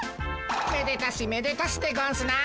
めでたしめでたしでゴンスな。